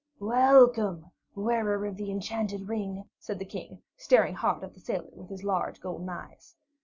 "Welcome, Wearer of the Enchanted Ring," said the King, staring hard at the sailor with his large golden eyes.